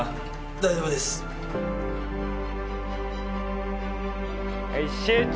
大丈夫ですはい７